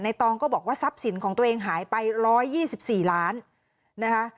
ในตองก็บอกว่าทรัพย์สินของตัวเองหายไปร้อยยี่สิบสี่ล้านนะคะ